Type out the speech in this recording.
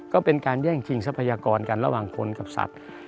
ก็เป็นการแย่งชิงทรัพยากรกันระหว่างคนกับสัตว์